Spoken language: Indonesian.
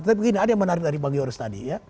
tapi begini ada yang menarik dari bang yoris tadi ya